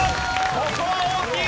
ここは大きい！